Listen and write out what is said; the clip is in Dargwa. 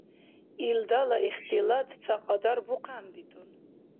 Илдала ихтилат цакьадар бухъянбитӀун.